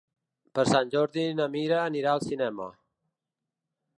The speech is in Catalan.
Per Sant Jordi na Mira anirà al cinema.